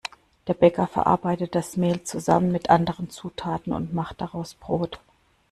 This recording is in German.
Der Bäcker verarbeitet das Mehl zusammen mit anderen Zutaten und macht daraus Brot.